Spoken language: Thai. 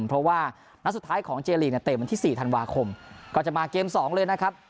เพราะว่านัดสุดท้ายของเจลีกเนี่ยเตะวันที่๔ธันวาคมก็จะมาเกม๒เลยนะครับ